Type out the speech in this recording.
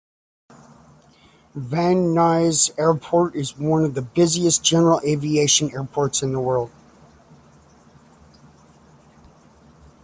Van Nuys Airport is one of the busiest general aviation airports in the world.